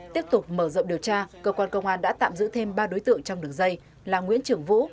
tiếp tục mở rộng điều tra cơ quan công an đã tạm giữ thêm ba đối tượng trong đường dây là nguyễn trường vũ